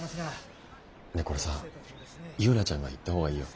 ねえこれさユウナちゃんが行った方がいいよ。